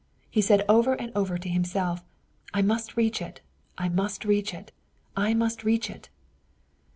He said over and over to himself, "I must reach it! I must reach it! I must reach it!"